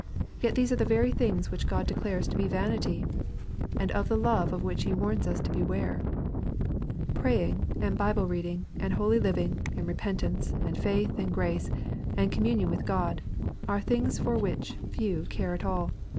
Yet these are the very things which God declares to be "vanity," and of the love of which He warns us to beware ! Pray ing, and Bibie reading, and holy living, and repentance, and faith, and grace, and communion with God, are things for which few care at all.